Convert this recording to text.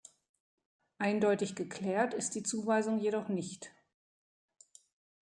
Eindeutig geklärt ist die Zuweisung jedoch nicht.